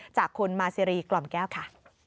จากคุณมาซีรีกล่อมแก้วค่ะ